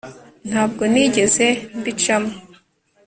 ntabwo nigeze mbicamo